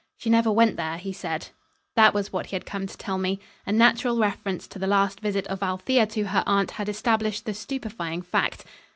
"She never went there," he said. That was what he had come to tell me. A natural reference to the last visit of Althea to her aunt had established the stupefying fact.